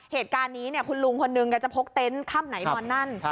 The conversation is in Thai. เหตุการณ์นี้คุณลุงคนนึงแกจะพกเต็นต์ค่ำไหนนอนนั่น